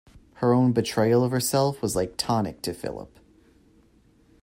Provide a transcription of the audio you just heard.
Her own betrayal of herself was like tonic to Philip.